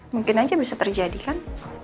mungkin aja bisa terjadi kan